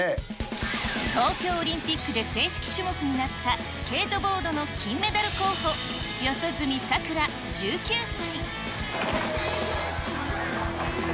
東京オリンピックで正式種目になったスケートボードの金メダル候補、四十住さくら１９歳。